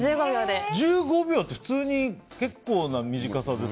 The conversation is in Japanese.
１５秒って普通に結構な短さです。